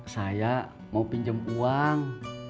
saya mau pinjem uang